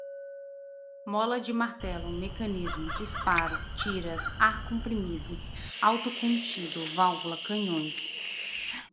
mola de martelo, mecanismo, disparo, tiras, ar comprimido, autocontido, válvula, canhões